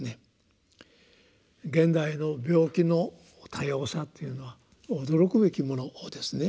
現代の病気の多様さっていうのは驚くべきものですね。